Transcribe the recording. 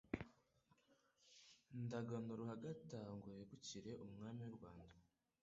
Ndagano Ruhagata ngo yegukire umwami w'u Rwanda